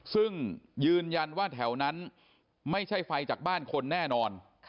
ซึ่งยืนยันว่าแถวนั้นไม่ใช่ไฟจากบ้านคนแน่นอน